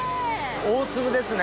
大粒ですね。